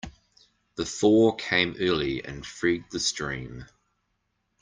The thaw came early and freed the stream.